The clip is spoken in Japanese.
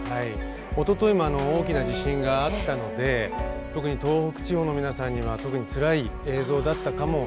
おとといも大きな地震があったので特に東北地方の皆さんには特につらい映像だったかもしれません。